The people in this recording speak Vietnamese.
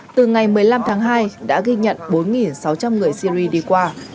từ ngày một mươi năm tháng hai đã ghi nhận bốn sáu trăm linh người syri đi qua